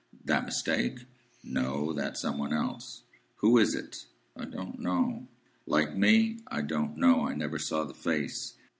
"That mistake?" "No. That some one else." "Who is it?" "I don't know." "Like me?" "I don't know. I never saw the face.